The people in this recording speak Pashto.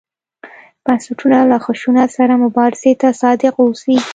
بنسټونه له خشونت سره مبارزې ته صادق واوسي.